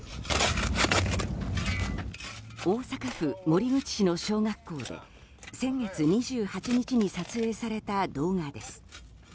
大阪府守口市の小学校で先月２８日に撮影された動画です。